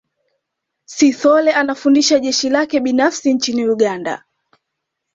Sithole anafundisha jeshi lake binafsi nchini Uganda